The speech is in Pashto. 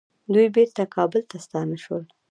دوی بیرته کابل ته ستانه شول.